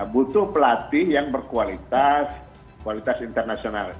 butuh pelatih yang berkualitas kualitas internasional